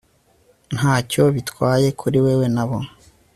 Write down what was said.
ntacyo bitwaye kuri wewe nabo